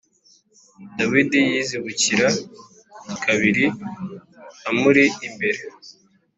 Dawidi yizibukira kabiri amuri imbere.